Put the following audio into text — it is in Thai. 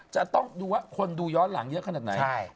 จะต้องดูว่าคนดูย้อนหลังเยอะขนาดไหน